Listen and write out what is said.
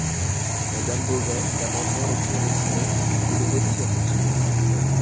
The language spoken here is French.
Madame Beauvais, l’amendement est-il retiré ? Je le retire, monsieur le président.